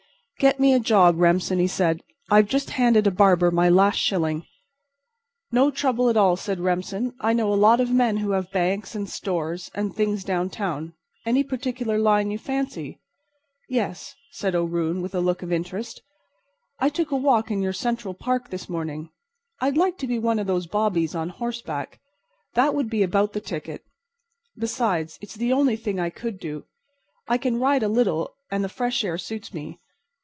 "Get me a job, Remsen," he said. "I've just handed a barber my last shilling." "No trouble at all," said Remsen. "I know a lot of men who have banks and stores and things downtown. Any particular line you fancy?" "Yes," said O'Roon, with a look of interest. "I took a walk in your Central Park this morning. I'd like to be one of those bobbies on horseback. That would be about the ticket. Besides, it's the only thing I could do. I can ride a little and the fresh air suits me.